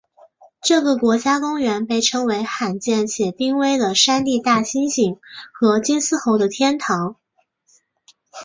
这个国家公园被称为罕见且濒危的山地大猩猩和金丝猴的天堂。